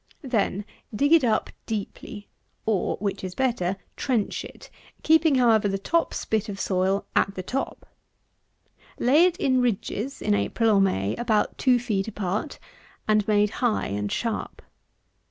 Then, dig it up deeply, or, which is better, trench it, keeping, however, the top spit of the soil at the top. Lay it in ridges in April or May about two feet apart, and made high and sharp.